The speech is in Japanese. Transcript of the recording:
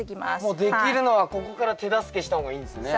もうできるのはここから手助けした方がいいんですね。